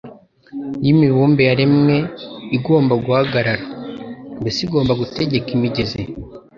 y’imibumbe yaremwe igomba guhagarara? Mbese igomba gutegeka imigezi